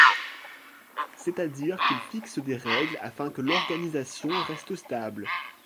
C’est-à-dire qu'il fixe des règles afin que l'organisation reste stable.